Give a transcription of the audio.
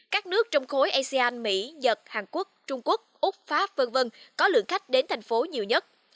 các nước trong khối asean mỹ nhật hàn quốc trung quốc úc pháp v v có lượng khách đến thành phố nhiều nhất